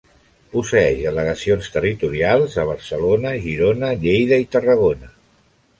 Posseeix delegacions territorials a Barcelona, Girona, Lleida i Tarragona.